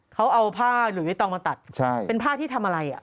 เขาเอาผ้าหลุยวิ๋ตองมาตัดเป็นผ้าที่ทำอะไร